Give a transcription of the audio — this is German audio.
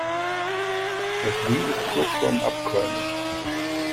Das Ding ist kurz vorm Abqualmen.